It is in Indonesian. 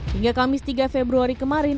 hingga kamis tiga februari kemarin